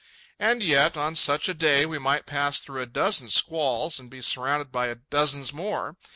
And yet, on such a day, we might pass through a dozen squalls and be surrounded by dozens more.